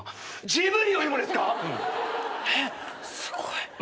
すごい。